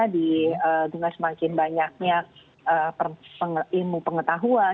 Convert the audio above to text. dengan semakin banyaknya ilmu pengetahuan